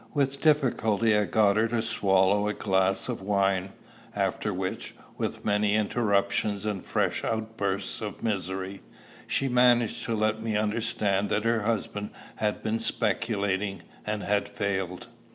With difficulty I got her to swallow a glass of wine, after which, with many interruptions and fresh outbursts of misery, she managed to let me understand that her husband had been speculating, and had failed.